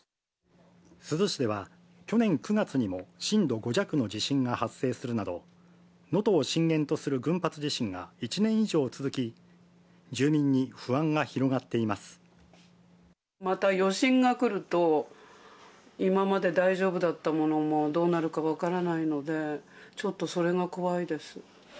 珠洲市では、去年９月にも震度５弱の地震が発生するなど、能登を震源とする群発地震が１年以上続き、住民に不安が広がってまた余震が来ると、今まで大丈夫だったものも、どうなるか分からないので、ちょっとそれが怖いです。